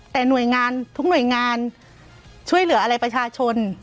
แต่หน่วยงานทุกหน่วยงานช่วยเหลืออะไรประชาชน